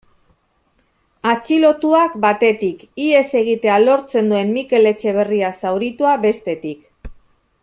Atxilotuak, batetik, ihes egitea lortzen duen Mikel Etxeberria zauritua, bestetik.